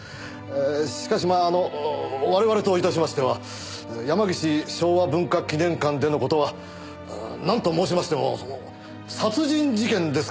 しかしまああの我々と致しましては山岸昭和文化記念館での事はなんと申しましてもその殺人事件ですからその。